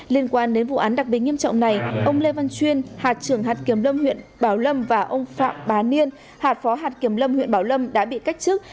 liên quan đến vụ án đặc biệt nghiêm trọng này ông lê văn chuyên hạt trưởng hạt kiểm lâm huyện bảo lâm và ông phạm bá niên hạt phó hạt kiểm lâm huyện bảo lâm đã bị cách chức